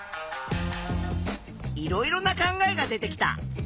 いろいろな考えが出てきた。